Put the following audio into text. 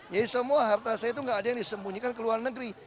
jadi semua harta saya itu tidak ada yang disembunyikan di luar negeri